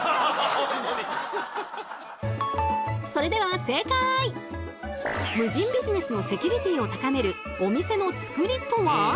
それでは無人ビジネスのセキュリティーを高めるお店のつくりとは？